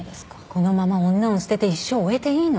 このまま女を捨てて一生を終えていいの？